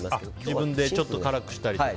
自分でちょっと辛くしたりとか。